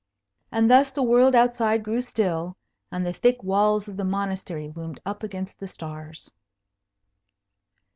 And thus the world outside grew still, and the thick walls of the Monastery loomed up against the stars.